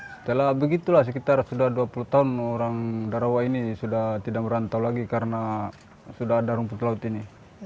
setelah begitulah sekitar sudah dua puluh tahun orang darawa ini sudah tidak merantau lagi karena sudah ada rumput laut ini